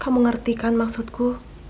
kamu ngerti kan maksudku